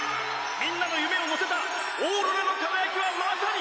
みんなの夢をのせたオーロラの輝きはまさに！